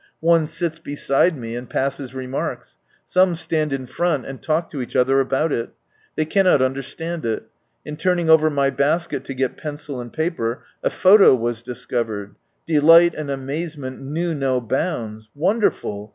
One sits beside roe, and passes remarks. ^V Some stand in front, and talk to each other, about it. They cannot understand it. H In turning over my basket to get pencil and paper, a photo was discovered, delight H and amazement knew no bounds. Wonderful!